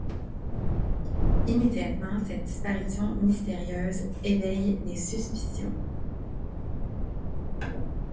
Immédiatement, cette disparition mystérieuse éveille des suspicions.